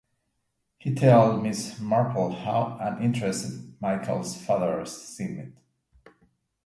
He tells Miss Marple how uninterested Michael's father seemed.